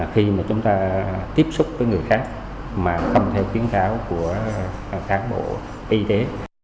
khi mà chúng ta tiếp xúc với người khác mà không theo kiến kháo của kháng bộ y tế